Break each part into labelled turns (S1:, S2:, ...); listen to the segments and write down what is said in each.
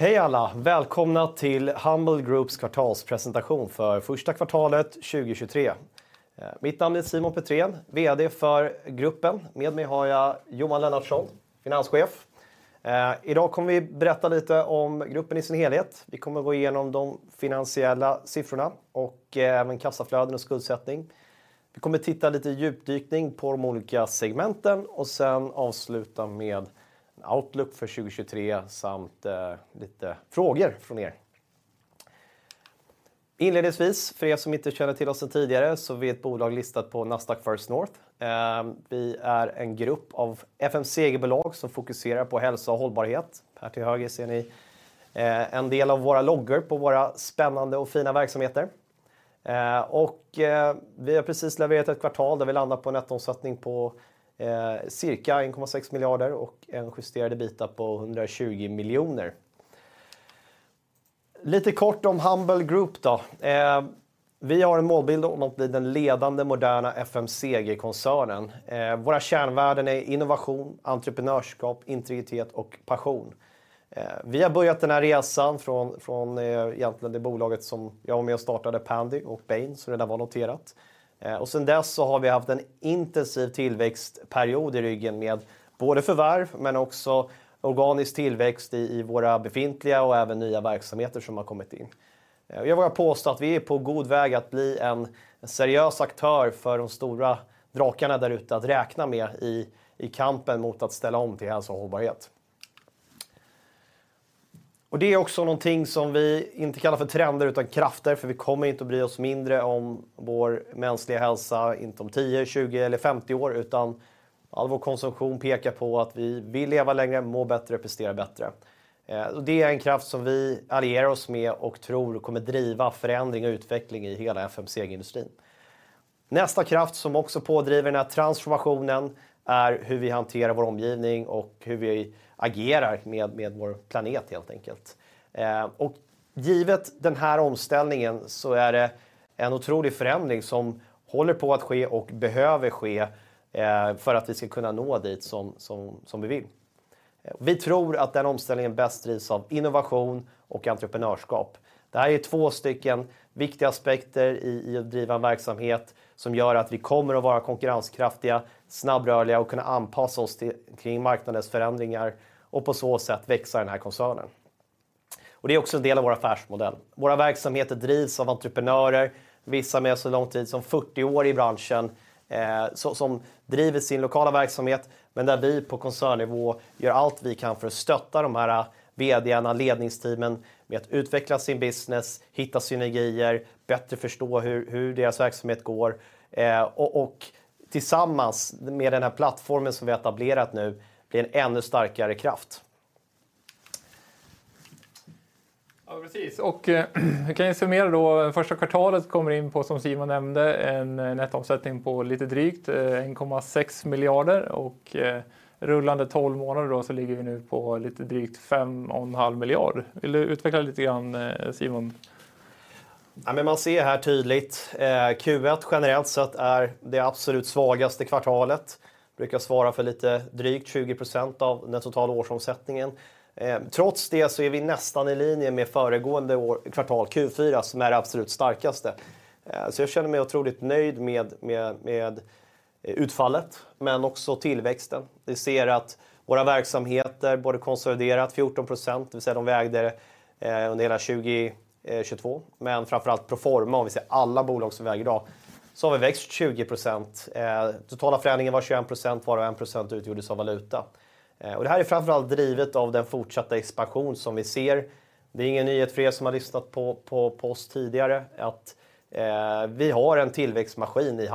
S1: Hej alla! Välkomna till Humble Group's kvartalspresentation för första kvartalet 2023. Mitt namn är Simon Petrén, VD för gruppen. Med mig har jag Johan Lennartsson, finanschef. I dag kommer vi berätta lite om gruppen i sin helhet. Vi kommer att gå igenom de finansiella siffrorna och även kassaflöden och skuldsättning. Vi kommer titta lite djupdykning på de olika segmenten och sedan avsluta med en outlook för 2023 samt lite frågor från er. Inledningsvis, för er som inte känner till oss sedan tidigare, så vi är ett bolag listat på Nasdaq First North. Vi är en grupp av FMCG-bolag som fokuserar på hälsa och hållbarhet. Här till höger ser ni en del av våra loggor på våra spännande och fina verksamheter. Vi har precis levererat ett kvartal där vi landar på en nettoomsättning på, cirka 1.6 billion och en justerade EBITDA på 120 million. Lite kort om Humble Group då. Vi har en målbild om att bli den ledande moderna FMCG-koncernen. Våra kärnvärden är innovation, entreprenörskap, integritet och passion. Vi har börjat den här resan från egentligen det bolaget som jag var med och startade Pändy och Bayn som redan var noterat. Sedan dess så har vi haft en intensiv tillväxtperiod i ryggen med både förvärv men också organisk tillväxt i våra befintliga och även nya verksamheter som har kommit in. Jag vågar påstå att vi är på god väg att bli en seriös aktör för de stora drakarna där ute att räkna med i kampen mot att ställa om till hälsa och hållbarhet. Det är också någonting som vi inte kallar för trender utan krafter, för vi kommer inte att bry oss mindre om vår mänskliga hälsa, inte om 10, 20 eller 50 år, utan all vår konsumtion pekar på att vi vill leva längre, må bättre, prestera bättre. Det är en kraft som vi allierar oss med och tror kommer driva förändring och utveckling i hela FMCG-industrin. Nästa kraft som också pådriver den här transformationen är hur vi hanterar vår omgivning och hur vi agerar med vår planet helt enkelt. Givet den här omställningen så är det en otrolig förändring som håller på att ske och behöver ske, för att vi ska kunna nå dit som vi vill. Vi tror att den omställningen bäst drivs av innovation och entreprenörskap. Det här är 2 stycken viktiga aspekter i att driva en verksamhet som gör att vi kommer att vara konkurrenskraftiga, snabbrörliga och kunna anpassa oss kring marknadens förändringar och på så sätt växa den här koncernen. Det är också en del av vår affärsmodell. Våra verksamheter drivs av entreprenörer, vissa med så lång tid som 40 år i branschen, som driver sin lokala verksamhet. Där vi på koncernnivå gör allt vi kan för att stötta de här VD:arna, ledningsteamen med att utveckla sin business, hitta synergier, bättre förstå hur deras verksamhet går. Och tillsammans med den här plattformen som vi etablerat nu blir en ännu starkare kraft.
S2: Ja, precis. Vi kan summera då. Första kvartalet kommer in på, som Simon nämnde, en nettoomsättning på lite drygt 1.6 billion och rullande tolv månader då så ligger vi nu på lite drygt 5.5 billion. Vill du utveckla det lite grann, Simon?
S1: Man ser här tydligt Q1 generellt sett är det absolut svagaste kvartalet. Brukar svara för lite drygt 20% av den totala årsomsättningen. Trots det är vi nästan i linje med föregående kvartal Q4 som är det absolut starkaste. Jag känner mig otroligt nöjd med utfallet, men också tillväxten. Vi ser att våra verksamheter både konsoliderat 14%, det vill säga de vägde under hela 2022, men framför allt proforma, om vi ser alla bolag som väger i dag, har vi växt 20%. Totala förändringen var 21%, varav 1% utgjordes av valuta. Det här är framför allt drivet av den fortsatta expansion som vi ser. Det är ingen nyhet för er som har lyssnat på oss tidigare att vi har en tillväxtmaskin i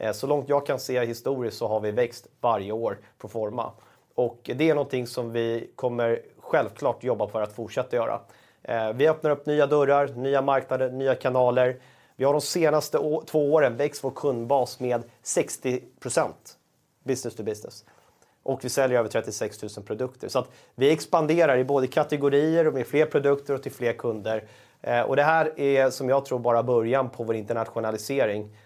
S1: Humble. Långt jag kan se historiskt har vi växt varje år pro forma. Det är någonting som vi kommer självklart jobba för att fortsätta göra. Vi öppnar upp nya dörrar, nya marknader, nya kanaler. Vi har de senaste two åren växt vår kundbas med 60% B2B och vi säljer över 36,000 produkter. Vi expanderar i både kategorier och med fler produkter och till fler kunder. Det här är som jag tror bara början på vår internationalisering.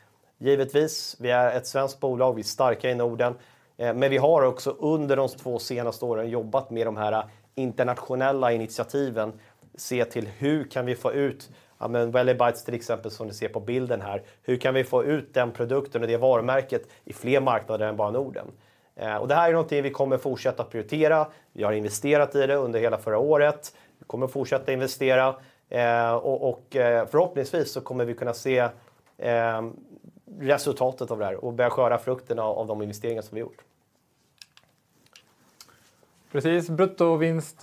S1: Givetvis, vi är ett svenskt bolag, vi är starka i Norden, men vi har också under de two senaste åren jobbat med de här internationella initiativen. Se till hur kan vi få ut Wellibites till exempel, som du ser på bilden här. Hur kan vi få ut den produkten och det varumärket i fler marknader än bara Norden? Det här är någonting vi kommer fortsätta prioritera. Vi har investerat i det under hela förra året. Vi kommer fortsätta investera. Förhoppningsvis så kommer vi kunna se resultatet av det här och börja skörda frukterna av de investeringar som vi har gjort.
S2: Precis. Bruttovinst,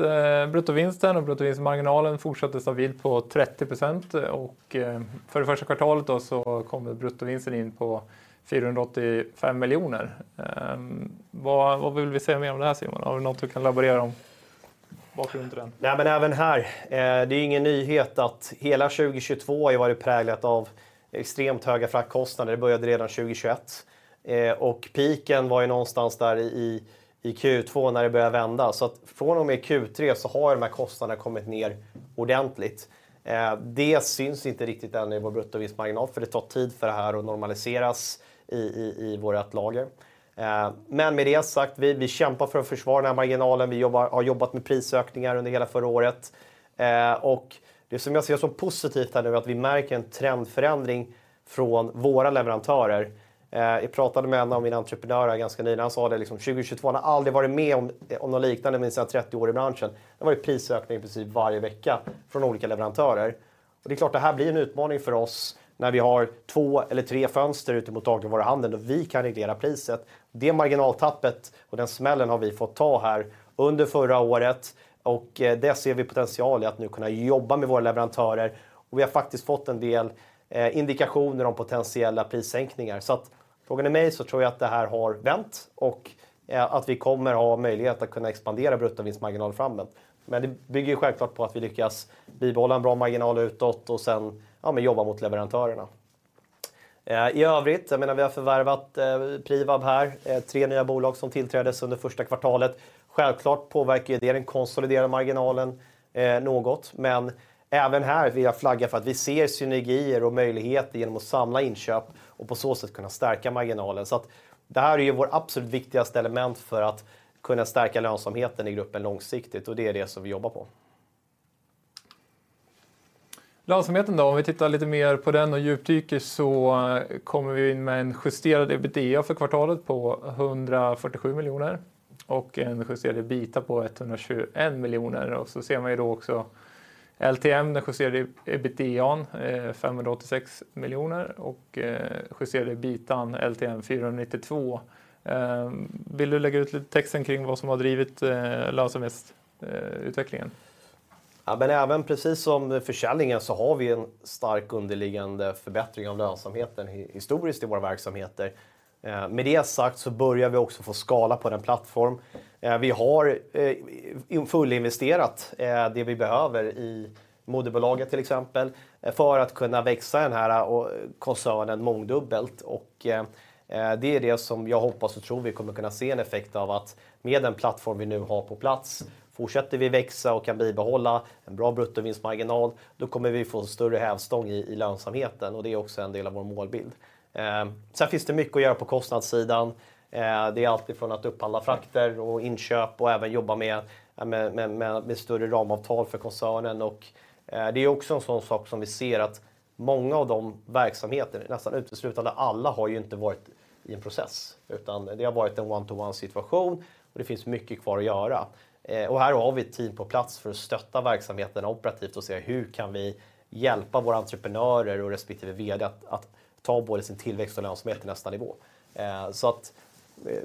S2: bruttovinsten och bruttovinstmarginalen fortsatte stabilt på 30%. För det första kvartalet då så kommer bruttovinsten in på 485 million. Vad vill vi säga mer om det här Simon? Har du något du kan laborera om?
S1: Även här. Det är ingen nyhet att hela 2022 har varit präglat av extremt höga fraktkostnader. Det började redan 2021. Peaken var ju någonstans där i Q2 när det började vända. Från och med Q3 så har de här kostnaderna kommit ner ordentligt. Det syns inte riktigt än i vår bruttovinstmarginal för det tar tid för det här att normaliseras i vårat lager. Med det sagt, vi kämpar för att försvara den här marginalen. Vi har jobbat med prisökningar under hela förra året. Det som jag ser som positivt här nu är att vi märker en trendförändring från våra leverantörer. Jag pratade med en av mina entreprenörer ganska nyligen. Han sa det liksom att 2022, han har aldrig varit med om något liknande med sina 30 år i branschen. Det var prisökning i princip varje vecka från olika leverantörer. Det är klart, det här blir en utmaning för oss när vi har 2 or 3 fönster ut mot dagligvaruhandeln då vi kan reglera priset. Det marginaltappet och den smällen har vi fått ta här under last year och det ser vi potential i att nu kunna jobba med våra leverantörer. Vi har faktiskt fått en del indikationer om potentiella prissänkningar. Frågar ni mig så tror jag att det här har vänt och att vi kommer att ha möjlighet att kunna expandera bruttovinstmarginalen framåt. Det bygger självklart på att vi lyckas bibehålla en bra marginal utåt och sedan jobba mot leverantörerna. I övrigt, jag menar vi har förvärvat Privab här, 3 new companies som tillträddes under 1st quarter. Självklart påverkar det den konsoliderade marginalen något, men även här vill jag flagga för att vi ser synergier och möjligheter igenom att samla inköp och på så sätt kunna stärka marginalen. Det här är ju vår absolut viktigaste element för att kunna stärka lönsamheten i gruppen långsiktigt och det är det som vi jobbar på.
S2: Lönsamheten då, om vi tittar lite mer på den och djupdyker så kommer vi in med en justerad EBITDA för kvartalet på 147 million och en justerad EBITDA på 121 million. Ser man ju då också LTM, den justerade EBITDA:n, 586 million och justerade EBITDA:n LTM 492 million. Vill du lägga ut texten kring vad som har drivit lönsamhets utvecklingen?
S1: Även precis som försäljningen så har vi en stark underliggande förbättring av lönsamheten historiskt i våra verksamheter. Med det sagt så börjar vi också få skala på den plattform. Vi har fullinvesterat det vi behöver i moderbolaget till exempel, för att kunna växa den här koncernen mångdubbelt. Det är det som jag hoppas och tror vi kommer kunna se en effekt av att med den plattform vi nu har på plats fortsätter vi växa och kan bibehålla en bra bruttovinstmarginal. Då kommer vi få större hävstång i lönsamheten och det är också en del av vår målbild. Sen finns det mycket att göra på kostnadssidan. Det är alltifrån att upphandla frakter och inköp och även jobba med större ramavtal för koncernen. Det är också en sådan sak som vi ser att många av de verksamheter, nästan uteslutande alla har ju inte varit i en process, utan det har varit en one to one-situation och det finns mycket kvar att göra. Här har vi ett team på plats för att stötta verksamheten operativt och se hur kan vi hjälpa våra entreprenörer och respektive VD att ta både sin tillväxt och lönsamhet till nästa nivå.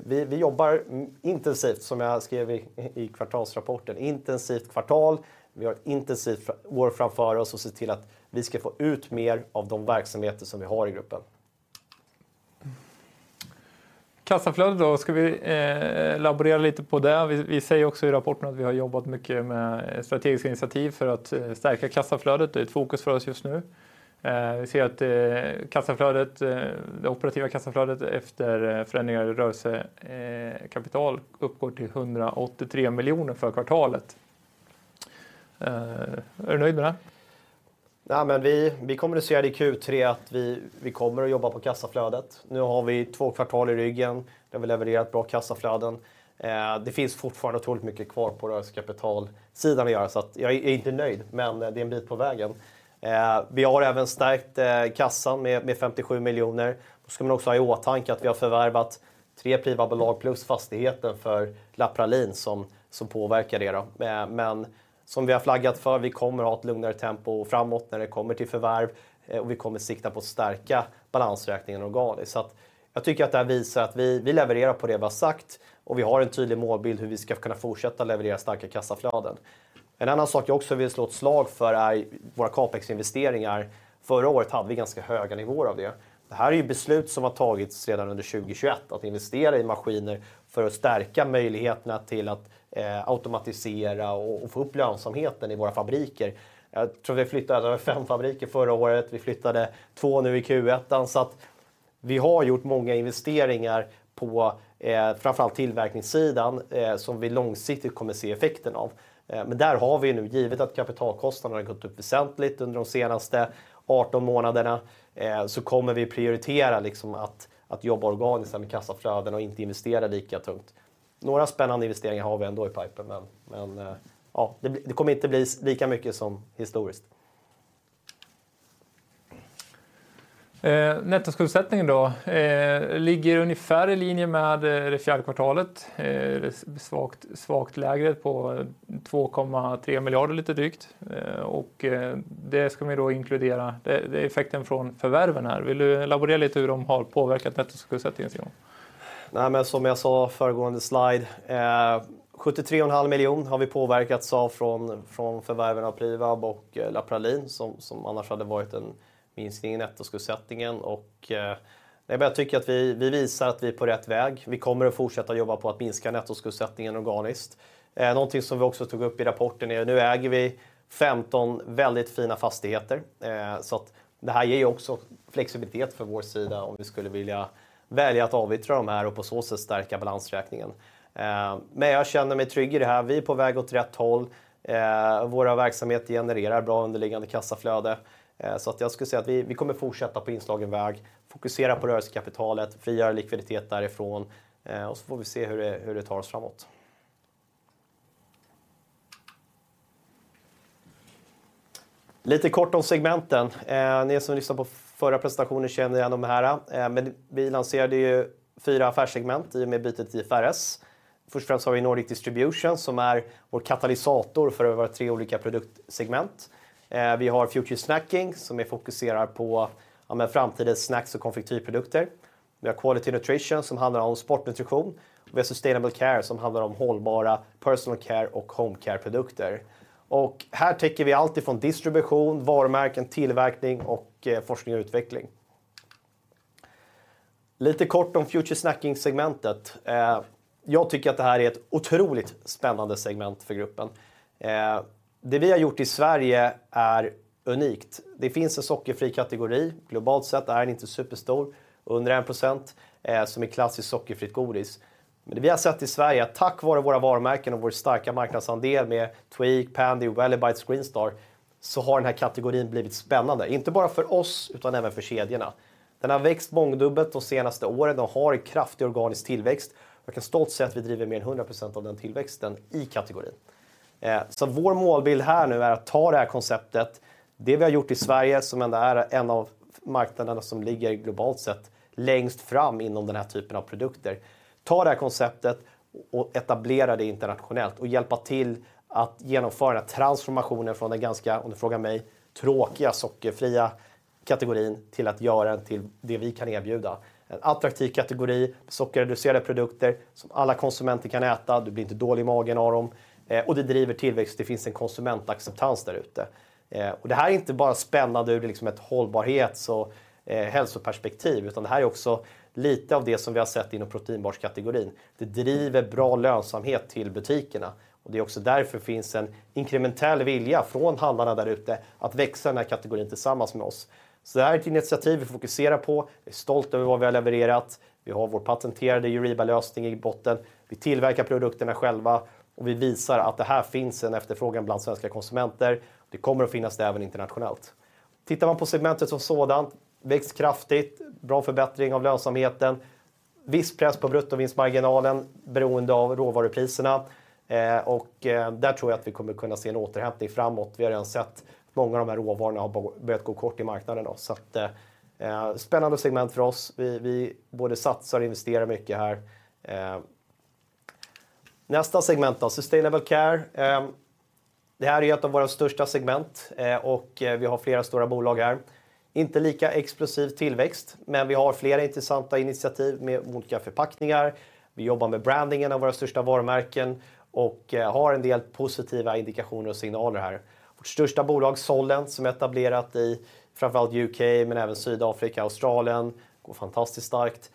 S1: Vi jobbar intensivt som jag skrev i kvartalsrapporten. Intensivt kvartal. Vi har ett intensivt år framför oss och ser till att vi ska få ut mer av de verksamheter som vi har i Gruppen.
S2: Kassaflöde. Ska vi laborera lite på det? Vi ser också i rapporten att vi har jobbat mycket med strategiska initiativ för att stärka kassaflödet. Det är ett fokus för oss just nu. Vi ser att kassaflödet, det operativa kassaflödet efter förändringar i rörelsekapital uppgår till 183 million för kvartalet. Är du nöjd med det?
S1: Vi kommunicerade i Q3 att vi kommer att jobba på kassaflödet. Nu har vi two kvartal i ryggen. Vi har levererat bra kassaflöden. Det finns fortfarande otroligt mycket kvar på rörelsekapitalsidan att göra. Jag är inte nöjd, men det är en bit på vägen. Vi har även stärkt kassan med 57 million. Då ska man också ha i åtanke att vi har förvärvat three Privab-bolag plus fastigheten för La Praline som påverkar det då. Som vi har flaggat för, vi kommer att ha ett lugnare tempo framåt när det kommer till förvärv och vi kommer sikta på att stärka balansräkningen organiskt. Jag tycker att det här visar att vi levererar på det vi har sagt och vi har en tydlig målbild hur vi ska kunna fortsätta leverera starka kassaflöden. En annan sak jag också vill slå ett slag för är våra CapEx-investeringar. Förra året hade vi ganska höga nivåer av det. Det här är ju beslut som har tagits sedan under 2021. Att investera i maskiner för att stärka möjligheterna till att automatisera och få upp lönsamheten i våra fabriker. Jag tror vi flyttade fem fabriker förra året. Vi flyttade två nu i Q1. Vi har gjort många investeringar på framför allt tillverkningssidan som vi långsiktigt kommer se effekten av. Där har vi nu givet att kapitalkostnaden har gått upp väsentligt under de senaste arton månaderna. Vi kommer prioritera liksom att jobba organiskt med kassaflöden och inte investera lika tungt. Några spännande investeringar har vi ändå i pipen. Ja, det kommer inte bli lika mycket som historiskt.
S2: Nettoskuldsättningen då ligger ungefär i linje med det fjärde kvartalet. Svagt lägre på 2.3 billion, lite drygt. Det ska man då inkludera. Det är effekten från förvärven här. Vill du laborera lite hur de har påverkat nettoskuldsättningen?
S1: Som jag sa föregående slide, SEK sjuttiotre och en halv miljon har vi påverkats av från förvärven av Privab och La Praline som annars hade varit en minskning i nettoskuldsättningen. Jag bara tycker att vi visar att vi är på rätt väg. Vi kommer att fortsätta jobba på att minska nettoskuldsättningen organiskt. Någonting som vi också tog upp i rapporten är att nu äger vi 15 väldigt fina fastigheter. Det här ger ju också flexibilitet för vår sida om vi skulle vilja välja att avyttra de här och på så sätt stärka balansräkningen. Men jag känner mig trygg i det här. Vi är på väg åt rätt håll. Våra verksamheter genererar bra underliggande kassaflöde. Jag skulle säga att vi kommer fortsätta på inslagen väg, fokusera på rörelsekapitalet, frigöra likviditet därifrån. Får vi se hur det, hur det tar oss framåt. Lite kort om segmenten. Ni som lyssnade på förra presentationen känner igen de här. Vi lanserade ju 4 affärssegment i och med bytet IFRS. Först och främst har vi Nordic Distribution som är vår katalysator för våra 3 olika produktsegment. Vi har Future Snacking som ju fokuserar på, ja men framtidens snacks och konfektyrprodukter. Vi har Quality Nutrition som handlar om sportnutrition. Vi har Sustainable Care som handlar om hållbara personal care och home care-produkter. Här täcker vi alltifrån distribution, varumärken, tillverkning och forskning och utveckling. Lite kort om Future Snacking-segmentet. Jag tycker att det här är ett otroligt spännande segment för gruppen. Det vi har gjort i Sverige är unikt. Det finns en sockerfri kategori. Globalt sett är den inte superstor, under 1%, som är klassisk sockerfritt godis. Det vi har sett i Sverige är att tack vare våra varumärken och vår starka marknadsandel med Tweek, Pändy, Wellibites, Green Star, så har den här kategorin blivit spännande. Inte bara för oss, utan även för kedjorna. Den har växt mångdubbelt de senaste åren och har en kraftig organisk tillväxt. Jag kan stolt säga att vi driver mer än 100% av den tillväxten i kategorin. Vår målbild här nu är att ta det här konceptet, det vi har gjort i Sverige som ändå är en av marknaderna som ligger globalt sett längst fram inom den här typen av produkter. Ta det här konceptet och etablera det internationellt och hjälpa till att genomföra den här transformationen från den ganska, om du frågar mig, tråkiga sockerfria kategorin till att göra den till det vi kan erbjuda. En attraktiv kategori med sockerreducerade produkter som alla konsumenter kan äta. Du blir inte dålig i magen av dem och det driver tillväxt. Det finns en konsumentacceptans där ute. Det här är inte bara spännande ur ett hållbarhets- och hälsoperspektiv, utan det här är också lite av det som vi har sett inom proteinbarskategorin. Det driver bra lönsamhet till butikerna och det är också därför det finns en inkrementell vilja från handlarna där ute att växa den här kategorin tillsammans med oss. Det här är ett initiativ vi fokuserar på. Vi är stolt över vad vi har levererat. Vi har vår patenterade EUREBA-lösning i botten. Vi tillverkar produkterna själva och vi visar att det här finns en efterfrågan bland svenska konsumenter. Det kommer att finnas det även internationellt. Tittar man på segmentet som sådant, växt kraftigt, bra förbättring av lönsamheten, viss press på bruttovinstmarginalen beroende av råvarupriserna. Där tror jag att vi kommer kunna se en återhämtning framåt. Vi har redan sett att många av de här råvarorna har börjat gå kort i marknaden. Spännande segment för oss. Vi både satsar och investerar mycket här. Nästa segment då, Sustainable Care. Det här är ett av våra största segment och vi har flera stora bolag här. Inte lika explosiv tillväxt, men vi har flera intressanta initiativ med olika förpackningar. Vi jobbar med brandingen av våra största varumärken och har en del positiva indikationer och signaler här. Vårt största bolag Solent, som är etablerat i framför allt UK, men även Sydafrika, Australien, går fantastiskt starkt.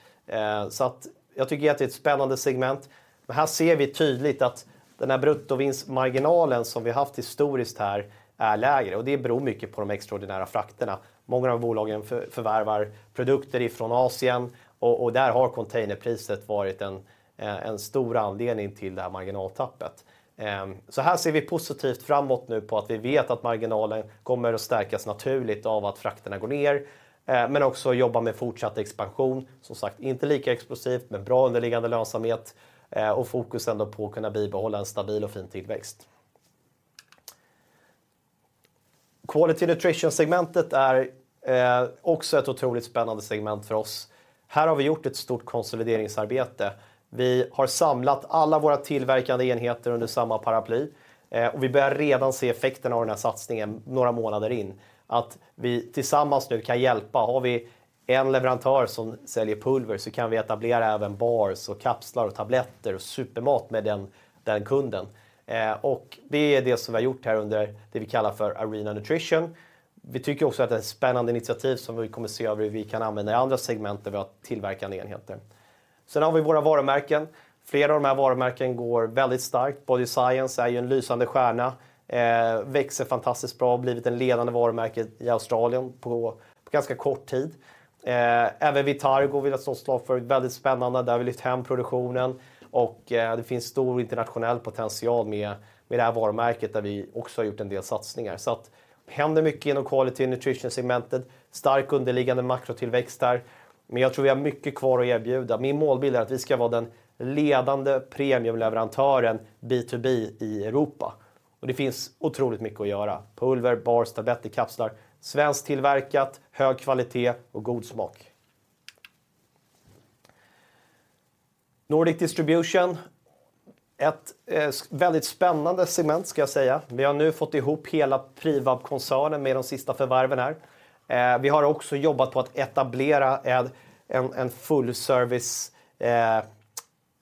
S1: Jag tycker att det är ett spännande segment. Här ser vi tydligt att den här bruttovinstmarginalen som vi haft historiskt här är lägre och det beror mycket på de extraordinära frakterna. Många av bolagen förvärvar produkter ifrån Asien. Där har containerpriset varit en stor anledning till det här marginaltappet. Här ser vi positivt framåt nu på att vi vet att marginalen kommer att stärkas naturligt av att frakterna går ner, också jobba med fortsatt expansion. Som sagt, inte lika explosivt, bra underliggande lönsamhet och fokus ändå på att kunna bibehålla en stabil och fin tillväxt. Quality Nutrition-segmentet är också ett otroligt spännande segment för oss. Här har vi gjort ett stort konsolideringsarbete. Vi har samlat alla våra tillverkande enheter under samma paraply. Vi börjar redan se effekterna av den här satsningen några månader in. Att vi tillsammans nu kan hjälpa. Har vi en leverantör som säljer pulver så kan vi etablera även bars och kapslar och tabletter och supermat med den kunden. Det är det som vi har gjort här under det vi kallar för Arena Nutrition. Vi tycker också att det är ett spännande initiativ som vi kommer att se över hur vi kan använda i andra segment där vi har tillverkande enheter. Vi har våra varumärken. Flera av de här varumärken går väldigt starkt. Body Science är ju en lysande stjärna, växer fantastiskt bra, har blivit det ledande varumärket i Australien på ganska kort tid. Även Vitargo vill jag slå ett slag för. Väldigt spännande. Där har vi lyft hem produktionen och det finns stor internationell potential med det här varumärket där vi också har gjort en del satsningar. Det händer mycket inom Quality Nutrition-segmentet. Stark underliggande makrotillväxt där. Jag tror vi har mycket kvar att erbjuda. Min målbild är att vi ska vara den ledande premiumleverantören B2B i Europa. Det finns otroligt mycket att göra. Pulver, bars, tabletter, kapslar, svensktillverkat, hög kvalitet och god smak. Nordic Distribution. Ett väldigt spännande segment ska jag säga. Vi har nu fått ihop hela Privab-koncernen med de sista förvärven här. Vi har också jobbat på att etablera en full service,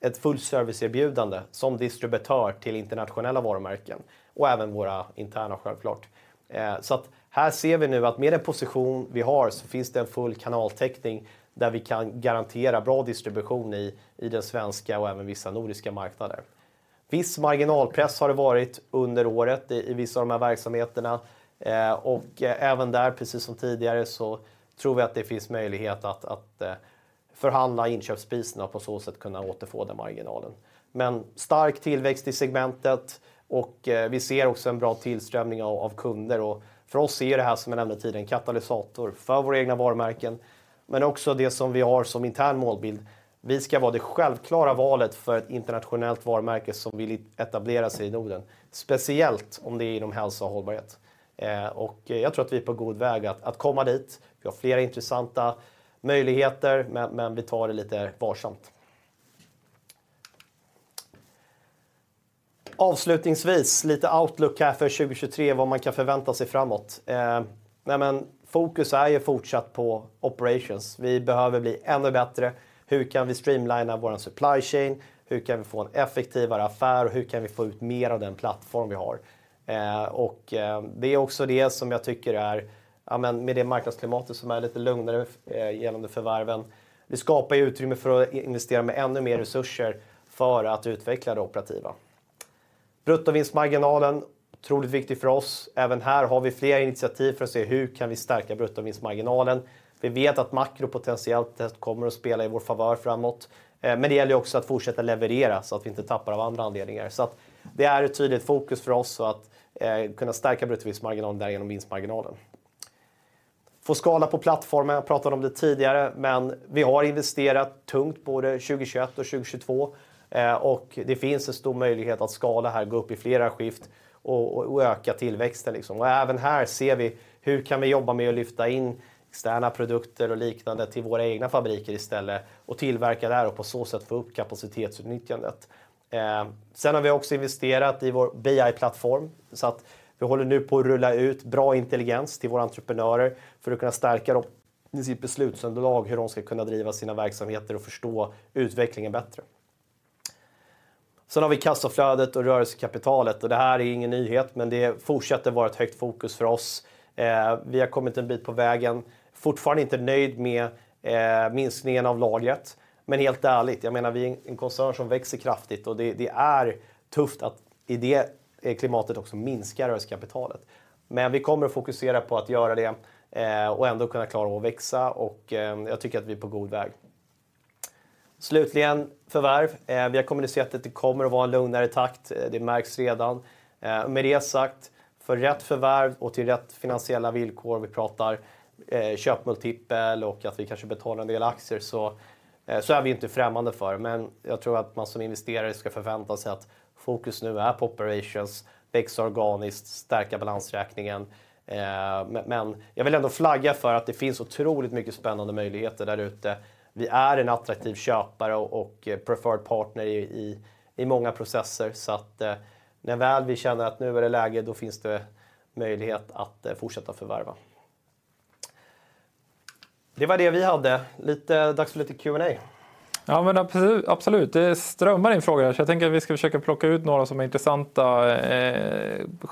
S1: ett full serviceerbjudande som distributör till internationella varumärken och även våra interna självklart. Så att här ser vi nu att med den position vi har så finns det en full kanaltäckning där vi kan garantera bra distribution i den svenska och även vissa nordiska marknader. Viss marginalpress har det varit under året i vissa av de här verksamheterna. Även där, precis som tidigare, så tror vi att det finns möjlighet att förhandla inköpspriserna och på så sätt kunna återfå den marginalen. Stark tillväxt i segmentet och vi ser också en bra tillströmning av kunder. För oss är det här som jag nämnde tidigare en katalysator för vår egna varumärken, men också det som vi har som intern målbild. Vi ska vara det självklara valet för ett internationellt varumärke som vill etablera sig i Norden, speciellt om det är inom hälsa och hållbarhet. Jag tror att vi är på god väg att komma dit. Vi har flera intressanta möjligheter, men vi tar det lite varsamt. Avslutningsvis, lite outlook här för 2023, vad man kan förvänta sig framåt. Fokus är ju fortsatt på operations. Vi behöver bli ännu bättre. Hur kan vi streamline vår supply chain? Hur kan vi få en effektivare affär? Hur kan vi få ut mer av den plattform vi har? Det är också det som jag tycker är, ja men med det marknadsklimatet som är lite lugnare genom de förvärven. Det skapar ju utrymme för att investera med ännu mer resurser för att utveckla det operativa. Bruttovinstmarginalen. Otroligt viktigt för oss. Även här har vi fler initiativ för att se hur kan vi stärka bruttovinstmarginalen. Vi vet att makro potentiellt kommer att spela i vår favör framåt, men det gäller också att fortsätta leverera så att vi inte tappar av andra anledningar. Det är ett tydligt fokus för oss att kunna stärka bruttovinstmarginalen där genom vinstmarginalen. Få skala på plattformen. Jag pratade om det tidigare, men vi har investerat tungt både 2021 och 2022. Det finns en stor möjlighet att skala här, gå upp i flera skift och öka tillväxten liksom. Även här ser vi hur kan vi jobba med att lyfta in externa produkter och liknande till våra egna fabriker istället och tillverka där och på så sätt få upp kapacitetsutnyttjandet. Vi har också investerat i vår BI-platform så att vi håller nu på att rulla ut bra intelligens till våra entreprenörer för att kunna stärka dem i sitt beslutsunderlag, hur de ska kunna driva sina verksamheter och förstå utvecklingen bättre. Vi har kassaflödet och rörelsekapitalet och det här är ingen nyhet, men det fortsätter vara ett högt fokus för oss. Vi har kommit en bit på vägen. Fortfarande inte nöjd med, minskningen av lagret, men helt ärligt, jag menar, vi är en koncern som växer kraftigt och det är tufft att i det klimatet också minska rörelsekapitalet. Vi kommer att fokusera på att göra det, och ändå kunna klara att växa. Jag tycker att vi är på god väg. Slutligen förvärv. Vi har kommunicerat att det kommer att vara en lugnare takt. Det märks redan. Med det sagt, för rätt förvärv och till rätt finansiella villkor. Om vi pratar, köpmultipel och att vi kanske betalar en del aktier så är vi inte främmande för. Jag tror att man som investerare ska förvänta sig att fokus nu är på operations, växa organiskt, stärka balansräkningen. Jag vill ändå flagga för att det finns otroligt mycket spännande möjligheter där ute. Vi är en attraktiv köpare och preferred partner i många processer. När väl vi känner att nu är det läge, då finns det möjlighet att fortsätta förvärva. Det var det vi hade. Dags för lite Q&A.
S2: Absolut, det strömmar in frågor här. Jag tänker att vi ska försöka plocka ut några som är intressanta.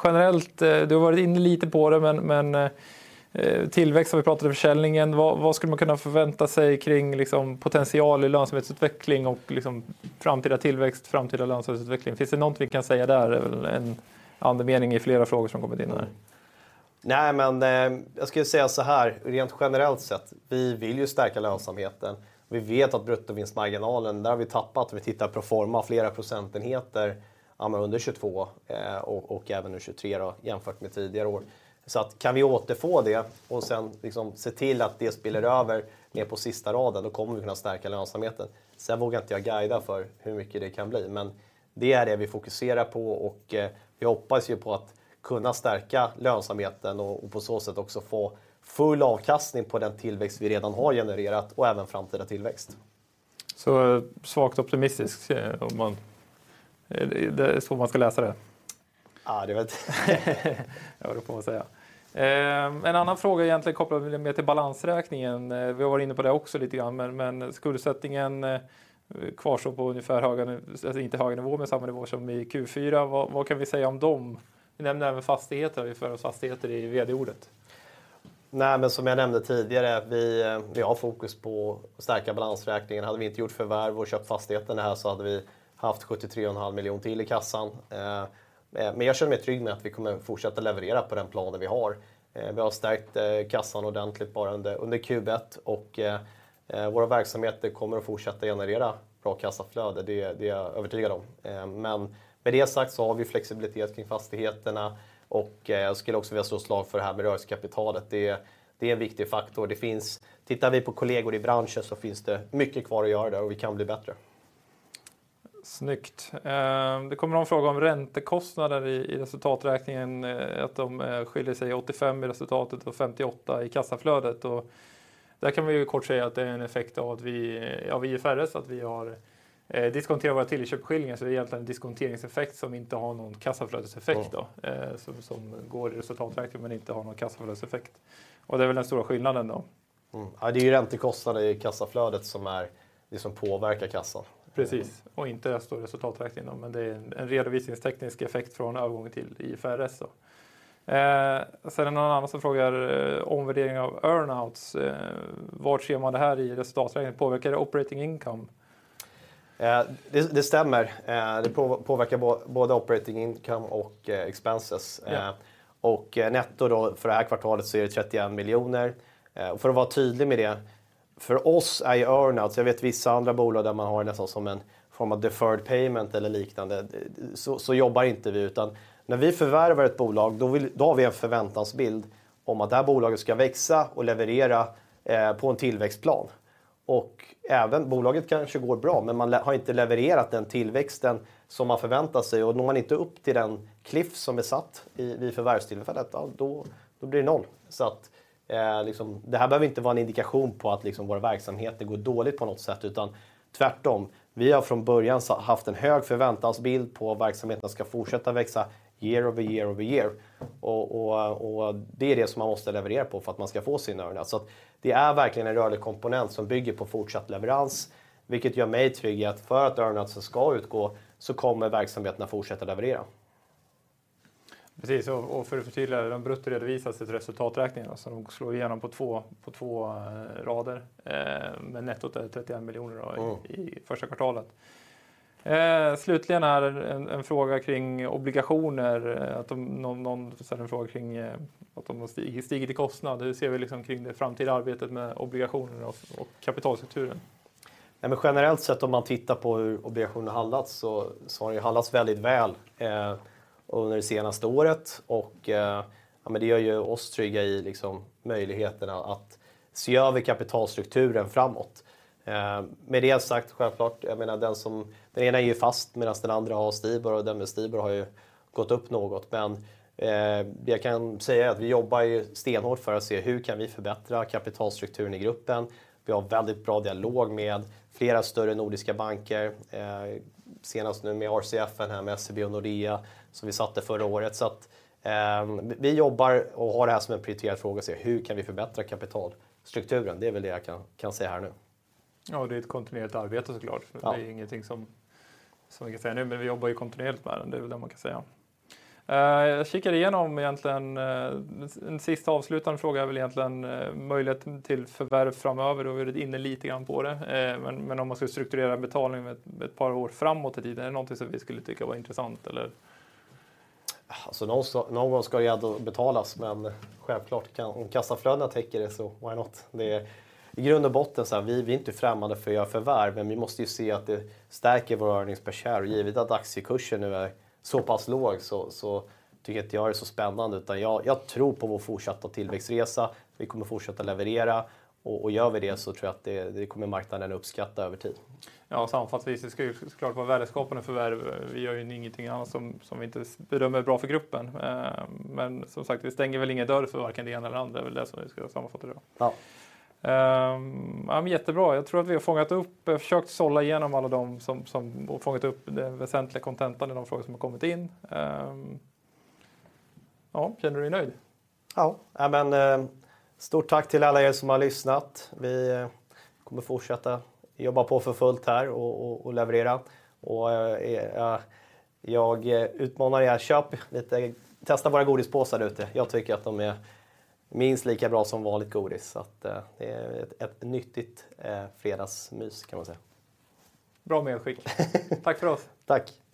S2: Generellt, du har varit inne lite på det, men tillväxt har vi pratat i försäljningen. Vad skulle man kunna förvänta sig kring liksom potential i lönsamhetsutveckling och liksom framtida tillväxt, framtida lönsamhetsutveckling? Finns det något vi kan säga där? Det är väl en andemening i flera frågor som kommit in där.
S1: Nej, jag skulle säga såhär. Rent generellt sett, vi vill ju stärka lönsamheten. Vi vet att bruttovinstmarginalen, där har vi tappat. Om vi tittar pro forma flera percentage points, ja under 2022, och även nu 2023 då jämfört med tidigare år. Kan vi återfå det och sen liksom se till att det spiller över mer på sista raden, då kommer vi kunna stärka lönsamheten. Vågar inte jag guida för hur mycket det kan bli, men det är det vi fokuserar på och vi hoppas ju på att kunna stärka lönsamheten och på så sätt också få full avkastning på den tillväxt vi redan har genererat och även framtida tillväxt.
S2: Svagt optimistiskt Är det så man ska läsa det?
S1: Ja, jag vågar på att säga.
S2: En annan fråga egentligen kopplad mer till balansräkningen. Vi har varit inne på det också lite grann, men skuldsättningen kvarstår på ungefär höga, alltså inte höga nivå, men samma nivå som i Q4. Vad kan vi säga om dem? Vi nämner även fastigheter. Har vi för oss fastigheter i vd-ordet?
S1: Som jag nämnde tidigare, vi har fokus på att stärka balansräkningen. Hade vi inte gjort förvärv och köpt fastigheterna här så hade vi haft 73.5 million till i kassan. Jag känner mig trygg med att vi kommer fortsätta leverera på den planen vi har. Vi har stärkt kassan ordentligt bara under Q1 och våra verksamheter kommer att fortsätta generera bra kassaflöde. Det är jag övertygad om. Med det sagt så har vi flexibilitet kring fastigheterna och jag skulle också vilja slå slag för det här med rörelsekapitalet. Det är en viktig faktor. Det finns. Tittar vi på kollegor i branschen så finns det mycket kvar att göra där och vi kan bli bättre.
S2: Snyggt. Det kommer en fråga om räntekostnader i resultaträkningen. Att de skiljer sig 85 i resultatet och 58 i kassaflödet. Där kan man ju kort säga att det är en effekt av att vi är IFRS, att vi har diskonterat våra tilläggsköpsskiljningar. Så det är egentligen en diskonteringseffekt som inte har någon kassaflödeseffekt då. Som går i resultaträkningen men inte har någon kassaflödeseffekt. Och det är väl den stora skillnaden då.
S1: det är ju räntekostnaden i kassaflödet som är, liksom påverkar kassan.
S2: Precis. Inte står resultaträkningen. Det är en redovisningsteknisk effekt från övergången till IFRS då. Sen är det någon annan som frågar omvärdering av earn-outs. Var ser man det här i resultaträkningen? Påverkar det operating income?
S1: Det stämmer. Det påverkar både operating income och expenses. Netto då för det här kvartalet så är det 31 million. För att vara tydlig med det, för oss är ju earn-outs, jag vet vissa andra bolag där man har det nästan som en form av deferred payment eller liknande. Jobbar inte vi, utan när vi förvärvar ett bolag, då har vi en förväntansbild om att det här bolaget ska växa och leverera på en tillväxtplan. Även bolaget kanske går bra, men man har inte levererat den tillväxten som man förväntar sig. Når man inte upp till den cliff som är satt vid förvärvstillfället, då blir det noll. Det här behöver inte vara en indikation på att våra verksamheter går dåligt på något sätt, utan tvärtom. Vi har från början haft en hög förväntansbild på att verksamheterna ska fortsätta växa year over year over year. Och det är det som man måste leverera på för att man ska få sin earn-out. Det är verkligen en rörlig komponent som bygger på fortsatt leverans, vilket gör mig trygg i att för att earn-outsen ska utgå så kommer verksamheterna fortsätta leverera.
S2: Precis. För att förtydliga, de bruttoredovisas i resultaträkningen. De slår igenom på två rader. Nettot är SEK 31 million då i first quarter. Slutligen är det en fråga kring obligationer. Någon ställer en fråga kring att de har stigit i kostnad. Hur ser vi liksom kring det framtida arbetet med obligationerna och kapitalstrukturen?
S1: Nej men generellt sett, om man tittar på hur obligationen har handlats så har den ju handlats väldigt väl under det senaste året. Ja men det gör ju oss trygga i liksom möjligheterna att se över kapitalstrukturen framåt. Med det sagt, självklart, jag menar den som, den ena är ju fast medans den andra har STIBOR och den med STIBOR har ju gått upp något. Jag kan säga att vi jobbar ju stenhårt för att se hur kan vi förbättra kapitalstrukturen i gruppen. Vi har väldigt bra dialog med flera större nordiska banker. Senast nu med RCF, med SEB och Nordea som vi satt det förra året. Vi jobbar och har det här som en prioriterad fråga att se hur kan vi förbättra kapitalstrukturen. Det är väl det jag kan säga här nu.
S2: Ja, det är ett kontinuerligt arbete så klart. Det är ingenting som vi kan säga nu, men vi jobbar ju kontinuerligt med det. Det är väl det man kan säga. Jag kikar igenom egentligen. En sista avslutande fråga är väl egentligen möjlighet till förvärv framöver. Då var du inne lite grann på det. Om man skulle strukturera betalningen ett par år framåt i tiden, är det någonting som vi skulle tycka vara intressant eller?
S1: Alltså någon gång ska det ändå betalas, men självklart kan, om kassaflödena täcker det så why not? Det, i grund och botten såhär, vi är inte främmande för att göra förvärv, men vi måste ju se att det stärker vår earnings per share. Givet att aktiekursen nu är så pass låg så tycker inte jag det är så spännande. Utan jag tror på vår fortsatta tillväxtresa. Vi kommer att fortsätta leverera och gör vi det så tror jag att det kommer marknaden uppskatta över tid.
S2: Sammanfattningsvis, det ska ju så klart vara värdeskapande förvärv. Vi gör ju ingenting annat som vi inte bedömer är bra för gruppen. Som sagt, vi stänger väl ingen dörr för varken det ena eller det andra. Det är väl det som vi skulle sammanfatta det då.
S1: Ja.
S2: Jättebra. Jag tror att vi har fångat upp, jag har försökt sålla igenom alla de som, och fångat upp det väsentliga kontentan i de frågor som har kommit in. Känner du dig nöjd?
S1: Stort tack till alla er som har lyssnat. Vi kommer fortsätta jobba på för fullt här och leverera. Jag utmanar er, köp lite, testa våra godispåsar där ute. Jag tycker att de är minst lika bra som vanligt godis. Det är ett nyttigt fredagsmys kan man säga.
S2: Bra medskick. Tack för oss.
S1: Tack.